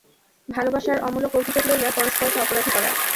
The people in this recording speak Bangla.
ভালোবাসার অমূলক অভিযোগ লইয়া পরস্পরকে অপরাধী করা।